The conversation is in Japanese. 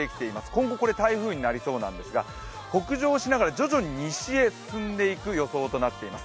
今後これは台風になりそうなんですが、北上しながら徐々に西へ進んでいく予想となっています。